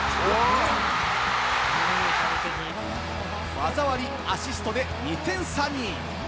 技ありアシストで２点差に。